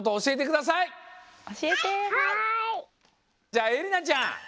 じゃあえりなちゃんおしえて。